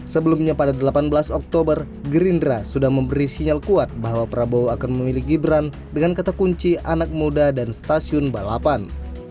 sebelumnya pada delapan belas oktober gerindra sudah memberi sinyal kuat bahwa prabowo akan memilih gibran dengan kata kunci anak muda dan stasiun balapan